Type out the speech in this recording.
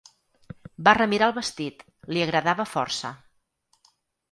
Va remirar el vestit: li agradava força.